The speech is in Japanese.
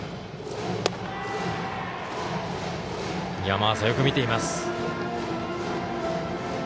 山浅、よく見ています。